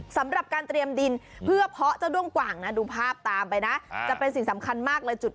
สำหรับการเตรียมดินเพื่อเพาะเจ้าด้วงกว่างนะดูภาพตามไปนะจะเป็นสิ่งสำคัญมากเลยจุด